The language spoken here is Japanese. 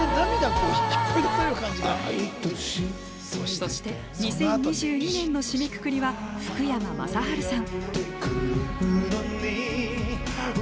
そして、２０２２年の締めくくりは福山雅治さん。